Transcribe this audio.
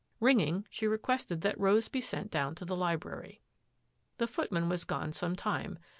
Ringing, she ?" requested that Rose be sent down to the library, •ftdy The footman was gone some time.